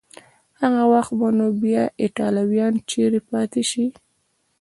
هغه وخت به نو بیا ایټالویان چیري پاتې شي؟